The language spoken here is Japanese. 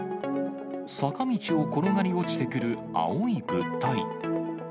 坂道を転がり落ちてくる青い物体。